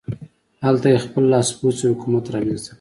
هلته یې خپل لاسپوڅی حکومت رامنځته کړ.